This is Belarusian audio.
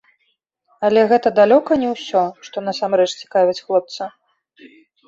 Але гэта далёка не ўсё, што насамрэч цікавіць хлопца.